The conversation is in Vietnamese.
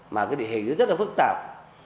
mà cái địa hình nó rất là phức tạp